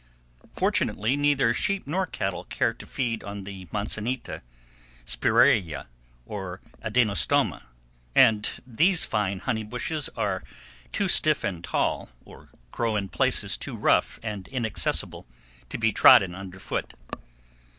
Fortunately, neither sheep nor cattle care to feed on the manzanita, spiraea, or adenostoma; and these fine honey bushes are too stiff and tall, or grow in places too rough and inaccessible, to be trodden under foot.